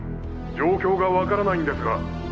状況がわからないんですが。